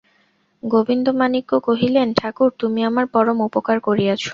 গোবিন্দমাণিক্য কহিলেন, ঠাকুর, তুমি আমার পরম উপকার করিয়াছ।